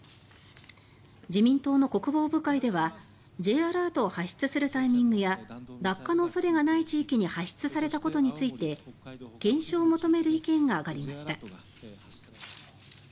自民党の国防部会ではＪアラートを発出するタイミングや落下の恐れがない地域に発出されたことについて検証を求める意見があがりました。